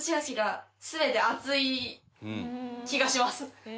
気がします。